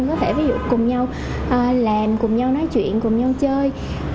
có thể ví dụ cùng nhau làm cùng nhau nói chuyện cùng nhau chơi